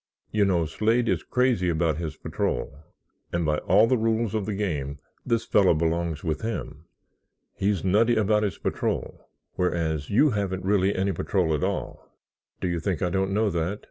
You know, Slade is crazy about his patrol and by all the rules of the game this fellow belongs with him. He's nutty about his patrol, whereas you haven't really any patrol at all." "Do you think I don't know that?"